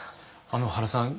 原さん